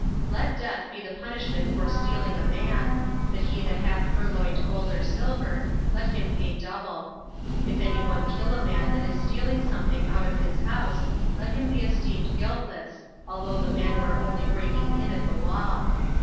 27. Let death be the punishment for stealing a man; but he that hath purloined gold or silver, let him pay double. If any one kill a man that is stealing something out of his house, let him be esteemed guiltless, although the man were only breaking in at the wall.